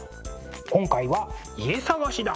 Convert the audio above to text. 今回は家探しだ！